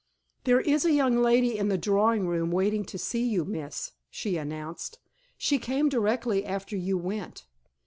"There is a young lady in the drawing room waiting to see you, miss," she announced; "she came directly after you went."